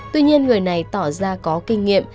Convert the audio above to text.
tuy nhiên người này tỏ ra có kinh nghiệm